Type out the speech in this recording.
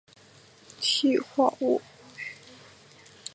锑化物是锑和电负性更小的元素形成的化合物。